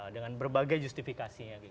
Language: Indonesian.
dengan berbagai justifikasinya